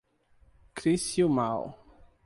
Crissiumal